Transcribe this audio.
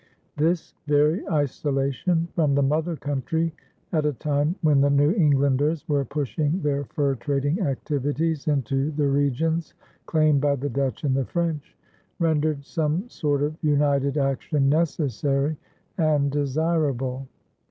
This very isolation from the mother country, at a time when the New Englanders were pushing their fur trading activities into the regions claimed by the Dutch and the French, rendered some sort of united action necessary and desirable.